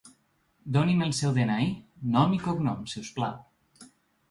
Doni'm el seu de-ena-i, nom i cognoms si us plau.